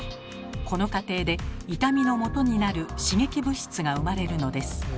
この過程で痛みのもとになる刺激物質が生まれるのです。